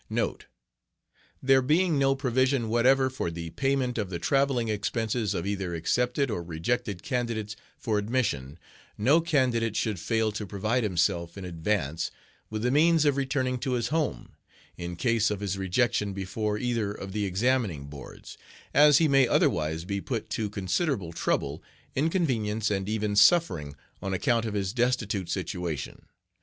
NOTE. There being no provision whatever for the payment of the travelling expenses of either accepted or rejected candidates for admission, no candidate should fail to provide himself in advance with the means of returning to his home, in case of his rejection before either of the Examining Boards, as he may otherwise be put to considerable trouble, inconvenience, and even suffering, on account of his destitute situation.